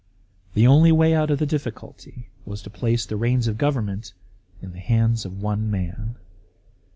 The only way out of the diffi culty was to place the reins of government in the hands of one man.